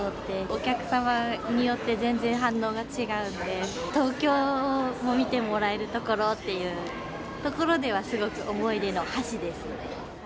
お客様によって、全然反応が違うので、東京の見てもらえる所っていうところでは、すごい思い出の橋です。